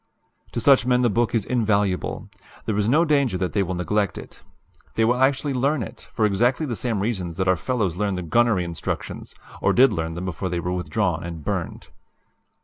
"To such men the book is invaluable. There is no danger that they will neglect it. They will actually learn it, for exactly the same reasons that our fellows learn the gunnery instructions or did learn them before they were withdrawn and burned.